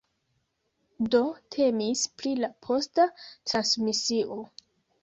Do temis pri la posta transmisio.